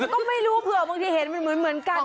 ต้องไม่รู้เพราะบางทีเห็นเหมือนกัน